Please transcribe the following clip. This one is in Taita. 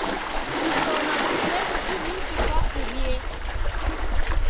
Kushoma kiteto kiwishi kwakurie.